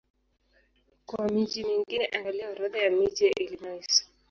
Kwa miji mingine angalia Orodha ya miji ya Illinois.